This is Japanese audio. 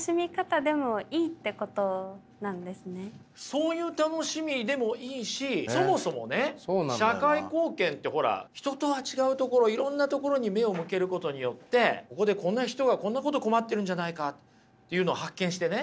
そういう楽しみでもいいしそもそもね社会貢献ってほら人とは違うところいろんなところに目を向けることによってここでこんな人がこんなことを困ってるんじゃないかっていうのを発見してね